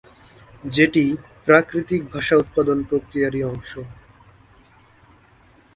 যেটি প্রাকৃতিক ভাষা উৎপাদন প্রক্রিয়ার অংশ।